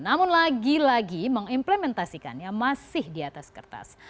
namun lagi lagi mengimplementasikannya masih di atas kertas